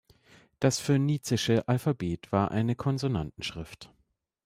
Das phönizische Alphabet war eine Konsonantenschrift.